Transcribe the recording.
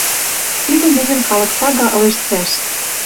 Тидӹ мӹньӹн халык сага ылеш цӓш.